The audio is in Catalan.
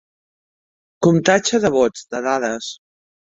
Comptatge de vots, de dades.